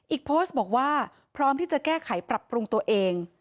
โพสต์บอกว่าพร้อมที่จะแก้ไขปรับปรุงตัวเอง